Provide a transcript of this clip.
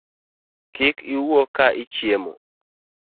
Kik iwuo ka ichiemo